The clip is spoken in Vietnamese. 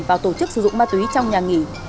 vào tổ chức sử dụng ma túy trong nhà nghỉ